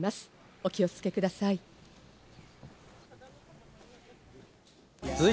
お気をつけください。